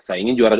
saya ingin juara